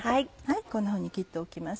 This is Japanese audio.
こんなふうに切っておきます。